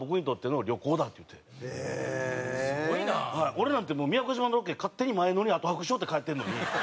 俺なんてもう宮古島のロケ勝手に前乗り後泊しよって帰ってるのに。